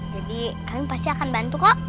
jadi kami pasti akan bantu kok